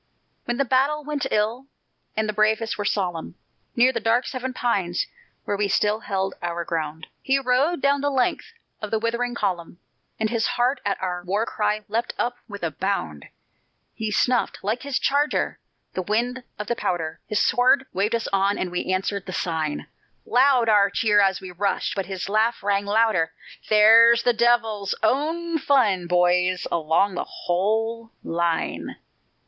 When the battle went ill, and the bravest were solemn, Near the dark Seven Pines, where we still held our ground, He rode down the length of the withering column, And his heart at our war cry leapt up with a bound; He snuffed, like his charger, the wind of the powder, His sword waved us on and we answered the sign; Loud our cheer as we rushed, but his laugh rang the louder. "There's the devil's own fun, boys, along the whole line!"